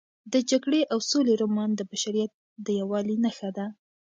د جګړې او سولې رومان د بشریت د یووالي نښه ده.